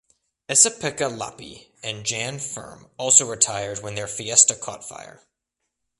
Esapekka Lappi and Janne Ferm also retired when their Fiesta caught fire.